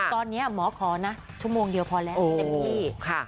ตอนนี้หมอขอนะชั่วโมงเดียวพอแล้วเต็มที่